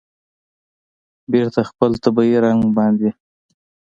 بېرته خپل طبیعي رنګ باندې